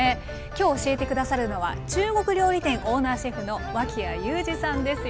今日教えて下さるのは中国料理店オーナーシェフの脇屋友詞さんです。